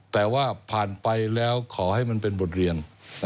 แต่ว่าผ่านไปแล้วขอให้มันเป็นบทเรียน